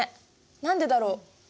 何でだろう。